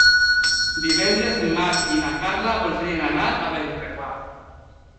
Divendres en Marc i na Carla voldrien anar a Bellreguard.